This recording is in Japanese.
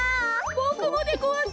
ボクもでごわす！